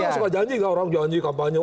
juga suka janji kan orang janji kampanye